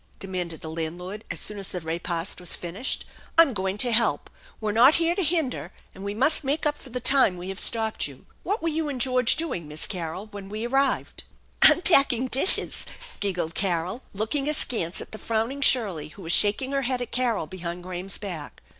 " demanded the landlord as soon as the repast was finished. " I'm going to help. We're not here to hinder, and we must make up for the time we have stopped you. What were you and George doing, Miss Carol, when we arrived r " "Unpacking dishes," giggled Carol, looking askance at the frowning Shirley, who was shaking her head at Carol behind Graham's back.